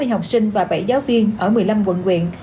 hai mươi học sinh và bảy giáo viên ở một mươi năm quận quyện